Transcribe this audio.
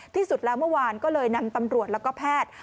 ที่สุดแล้วเมื่อวานก็เลยนำตำรวจแล้วก็แพทย์